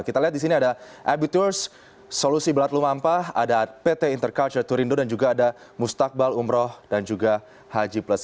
kita lihat di sini ada abuturs solusi belat lumampah ada pt interculture turindo dan juga ada mustaqbal umroh dan juga haji plus